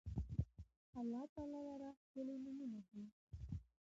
الله تعالی لره ښکلي نومونه دي